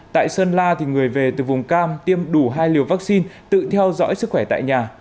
tại sơn la người về từ vùng cam tiêm đủ hai liều vaccine tự theo dõi sức khỏe tại nhà